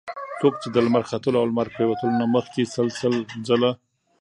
څوک چې د لمر ختلو او لمر پرېوتلو نه مخکي سل سل ځله